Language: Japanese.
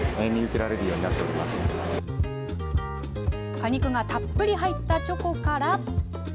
果肉がたっぷり入ったチョコから。